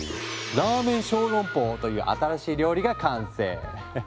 ラーメン小籠包という新しい料理が完成！